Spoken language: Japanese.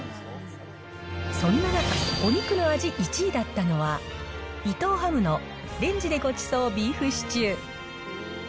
そんな中、お肉の味１位だったのは、伊藤ハムのレンジでごちそうビーフシチュー。